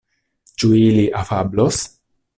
Ĉu ili afablos?